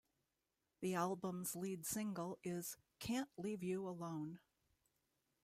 The album's lead single is Can't Leave U Alone.